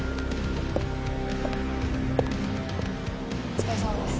お疲れさまです。